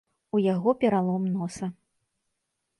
У яго пералом носа.